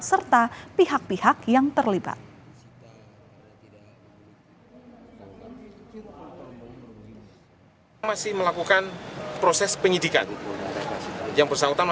serta pihak pihak yang terlibat